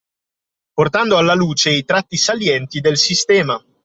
Portando alla luce i tratti salienti del sistema.